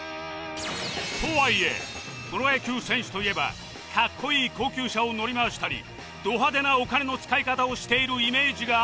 とはいえプロ野球選手といえばかっこいい高級車を乗り回したりド派手なお金の使い方をしているイメージがあるが